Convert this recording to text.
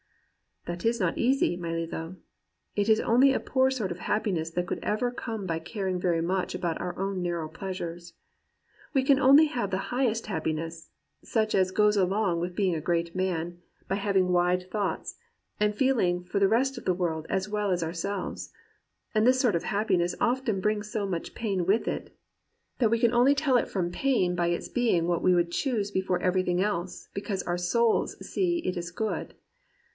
*" 'That is not easy, my Lillo. It is only a poor sort of happiness that could ever come by caring very much about our own narrow pleasures. We can only have the highest happiness, such as goes along with being a great man, by having wide thoughts, and feeling for the rest of the world as well as ourselves; and this sort of happiness often brings so much pain with it, that we can only tell lol COMPANIONABLE BOOKS it from pain by its being what we would choose before everything else, because our souls see it is good.